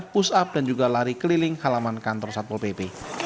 pusap dan juga lari keliling halaman kantor satpol pp